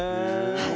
はい。